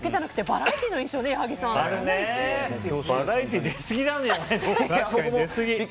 バラエティー出すぎじゃない？